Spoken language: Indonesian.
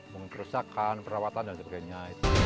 mengkerusakan perawatan dan sebagainya